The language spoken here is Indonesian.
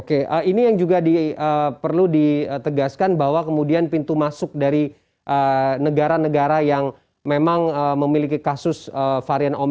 oke ini yang juga perlu ditegaskan bahwa kemudian pintu masuk dari negara negara yang memang memiliki kasus varian omikron